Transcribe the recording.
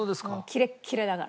キレッキレだから。